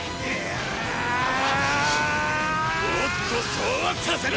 おっとそうはさせぬ！